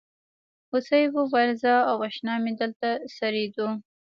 هوسۍ وویل زه او اشنا مې دلته څریدو.